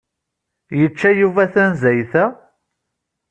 Yečča Yuba tanezzayt-a?